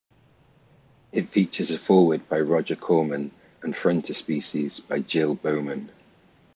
It features a foreword by Roger Corman and frontispieces by Jill Bauman.